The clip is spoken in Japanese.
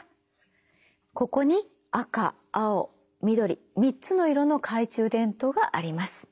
ここに赤青緑３つの色の懐中電灯があります。